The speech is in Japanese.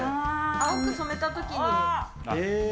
青く染めたときに。